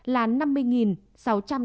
là năm mươi ca